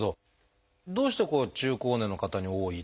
どうして中高年の方に多い？